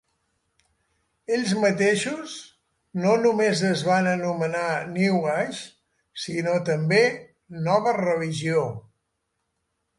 Ells mateixos no només es van anomenar "New Age" sinó també "nova religió".